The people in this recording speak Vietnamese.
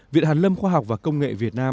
viện hàn lâm khoa học và công nghệ việt nam